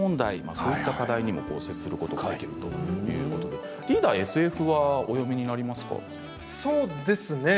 そういった課題にも接することができるということでリーダーはＳＦはそうですね